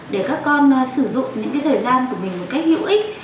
để các con sử dụng những thời gian của mình một cách hữu ích